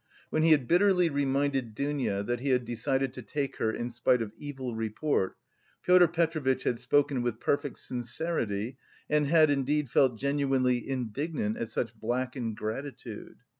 When he had bitterly reminded Dounia that he had decided to take her in spite of evil report, Pyotr Petrovitch had spoken with perfect sincerity and had, indeed, felt genuinely indignant at such "black ingratitude."